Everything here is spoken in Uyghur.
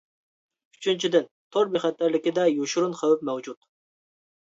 ئۈچىنچىدىن، تور بىخەتەرلىكىدە يوشۇرۇن خەۋپ مەۋجۇت.